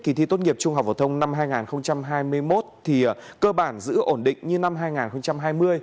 kỳ thi tốt nghiệp trung học phổ thông năm hai nghìn hai mươi một hai nghìn hai mươi cơ bản giữ ổn định như năm hai nghìn hai mươi